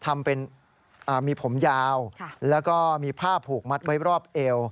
มีผมยาวแล้วก็มีผ้าผูกมัดไว้รอบเอว